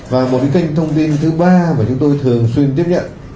và một kênh thông tin thứ ba mà chúng tôi thường xuyên tiếp nhận